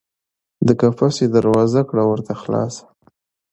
د قفس یې دروازه کړه ورته خلاصه